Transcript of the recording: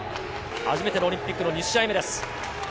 初めてのオリンピックの２試合目です。